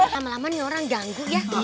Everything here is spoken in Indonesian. lama lama nih orang ganggu ya